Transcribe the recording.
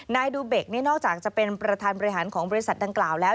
นายดูเบคนี่นอกจากจะเป็นประธานบริหารของบริษัทดังกล่าวแล้ว